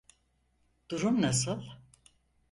Durum nasıl?